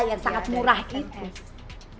yang sangat murah itu